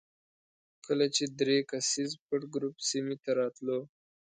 کله چې درې کسیز پټ ګروپ سیمې ته راتلو.